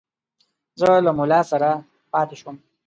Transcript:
زه له مُلا سره پاته شوم.